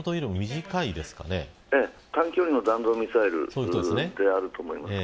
短距離の弾道ミサイルだと思います。